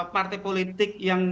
partai politik yang